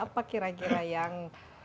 apa kira kira yang